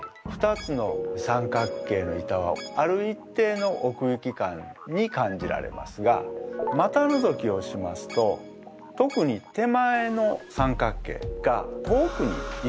２つの三角形の板はある一定の奥行き感に感じられますが股のぞきをしますと特に手前の三角形が遠くに位置するように見えます。